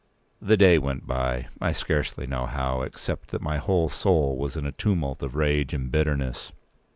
The day went by, I scarcely know how, except that my whole soul was in a tumult of rage and bitterness.